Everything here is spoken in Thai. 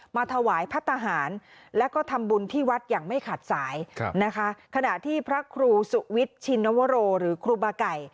มาถวายพระทหารแล้วก็ทำบุญที่วัดอย่างไม่ขาดสายนะคะขณะที่พระครูสุวิทย์ชินวโรหรือครูบาไก่